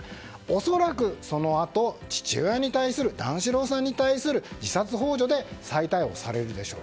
恐らく、そのあと段四郎さんに対する自殺幇助で再逮捕されるでしょう。